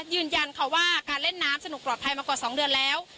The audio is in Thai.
ยืนยันค่ะว่าการเล่นน้ำสนุกปลอดภัยมากว่า๒เดือนแล้ว